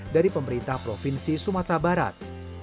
dari pemerintah provinsi sumatera barat